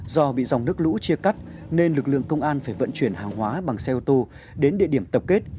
do bị dòng nước lũ chia cắt nên lực lượng công an phải vận chuyển hàng hóa bằng xe ô tô đến địa điểm tập kết